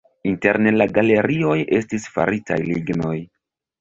Interne la galerioj estis faritaj lignoj.